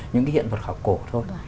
những cái hiện vật học cổ thôi